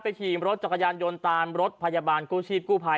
ไปขี่รถจักรยานยนตรารมรถพยาบาลคูชีพคู่พลาย